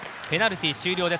ペナルティー終了。